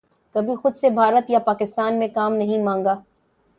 کبھی خود سے بھارت یا پاکستان میں کام نہیں مانگا